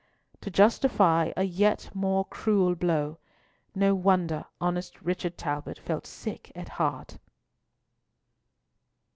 To justify a yet more cruel blow! No wonder honest Richard Talbot felt sick at heart.